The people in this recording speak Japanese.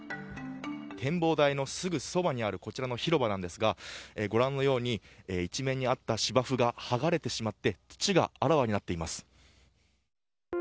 展望台のすぐそばにあるこちらの広場なんですがご覧のように一面にあった芝生が剥がれてしまって土があらわになっています。